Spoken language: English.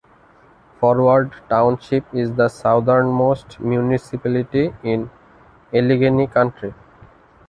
Forward Township is the southernmost municipality in Allegheny County.